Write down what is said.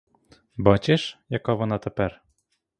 Бачиш, яка вона тепер?